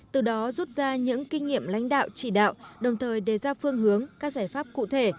từ đó rút ra những kinh nghiệm lãnh đạo chỉ đạo đồng thời đề ra phương hướng các giải pháp cụ thể